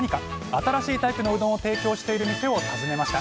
新しいタイプのうどんを提供している店を訪ねました